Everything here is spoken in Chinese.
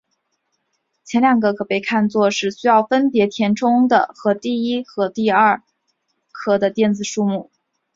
前两个可以被看作是需要分别填充的第一和第二壳的电子数目。